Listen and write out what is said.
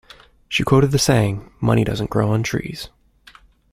She quoted the saying: money doesn't grow on trees.